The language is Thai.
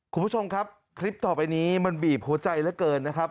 คุณผู้ชมครับคลิปต่อไปนี้มันบีบหัวใจเหลือเกินนะครับ